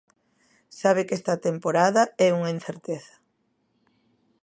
Sabe que esta temporada é unha incerteza.